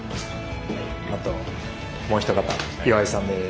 あともうひと方岩井さんです。